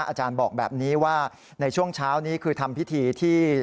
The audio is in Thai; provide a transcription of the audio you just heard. อาจารย์บอกแบบนี้ว่าในช่วงเช้านี้คือทำพิธีที่